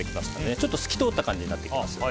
ちょっと透き通った感じになってきます。